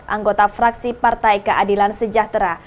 anggota fraksi partai keadilan sejahtera